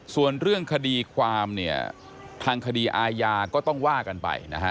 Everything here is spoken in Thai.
ส่วนเรื่องคดีความเนี่ยทางคดีอาญาก็ต้องว่ากันไปนะฮะ